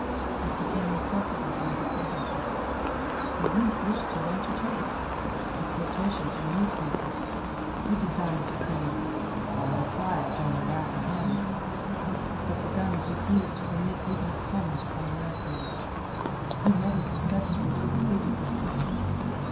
It became impossible to make a sentence heard. The youth wished to launch a joke—a quotation from newspapers. He desired to say, "All quiet on the Rappahannock," but the guns refused to permit even a comment upon their uproar. He never successfully concluded the sentence.